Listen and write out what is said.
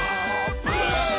ブ！